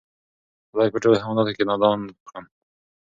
خدای په ټولوحیوانانو کی نادان کړم